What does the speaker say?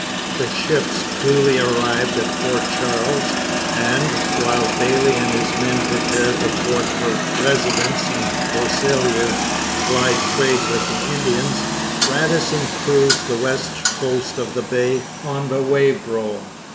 The ships duly arrived at Fort Charles, and, while Bayly and his men prepared the fort for residence and Groseilliers plied trade with the Indians, Radisson cruised the west coast of the Bay on the Wavero.